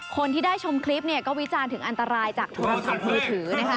คนที่ได้ชมคลิปก็วิจารณ์ถึงอันตรายจากโทรศัพท์มือถือ